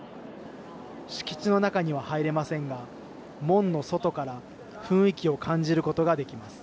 敷地の中には入れませんが門の外から雰囲気を感じることができます。